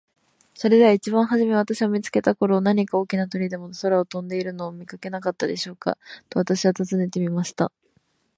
「それでは一番はじめ私を見つけた頃、何か大きな鳥でも空を飛んでいるのを見かけなかったでしょうか。」と私は尋ねてみました。